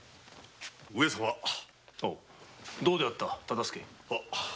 どうであった忠相？